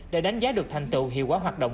để đánh giá được thành tựu hiệu quả hoạt động